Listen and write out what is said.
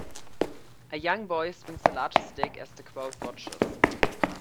A young boy swings a large stick as a crowd watches.